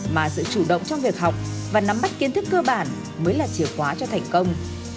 mà sự chủ động trong việc học và nắm bắt kiến thức cơ bản mới là chìa khóa cho thành công